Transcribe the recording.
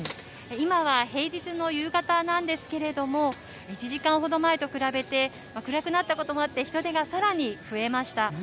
今は平日の夕方なんですけれども、１時間ほど前と比べて暗くなったこともあって、人出がさらに増えました。